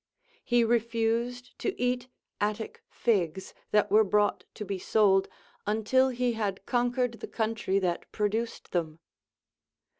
He refused to eat Attic figs that were brought to be sold, until he had conciuered the country tluit produced them.